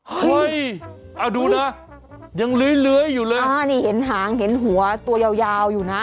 เฮ้ยเอาดูนะยังเลื้อยอยู่เลยอ่านี่เห็นหางเห็นหัวตัวยาวยาวอยู่นะ